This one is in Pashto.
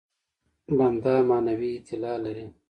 بنده معنوي اعتلا لري.